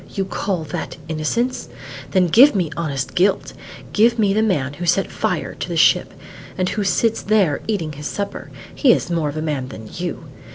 You call that innocence? Then give me honest guilt! Give me the man who set fire to the ship, and who sits there eating his supper; he is more of a man than you.